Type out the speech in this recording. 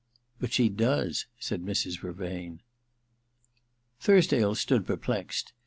* But she does,' said Mrs. Vervain. Thursdale stood perplexed.